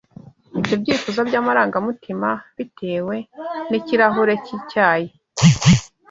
ibyo byifuzo by’amarangamutima bitewe n’ikirahure cy’icyayi